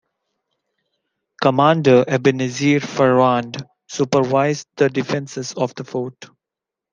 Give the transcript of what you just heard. Commander Ebeneezer Farrand supervised the defenses of the fort.